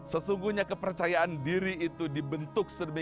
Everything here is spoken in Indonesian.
sesungguhnya kepercayaan diri itu dibentuk sedemikian rupa